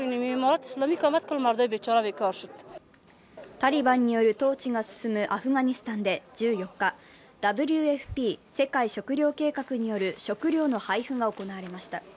タリバンによる統治が進むアフガニスタンで１４日、ＷＦＰ＝世界食糧計画による食糧の配布が行われました。